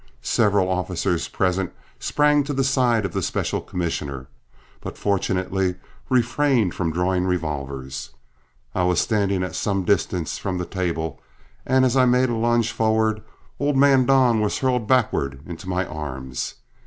Several officers present sprang to the side of the special commissioner, but fortunately refrained from drawing revolvers. I was standing at some distance from the table, and as I made a lunge forward, old man Don was hurled backward into my arms.